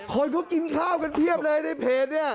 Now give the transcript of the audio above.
คนเขากินข้าวกันเพียบเลยในเพจเนี่ย